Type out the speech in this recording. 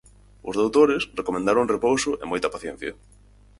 Os doutores recomendaron repouso e moita paciencia.